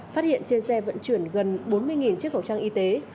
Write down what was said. phát hiện trên xe vận chuyển gần bốn mươi chiếc khẩu trang y tế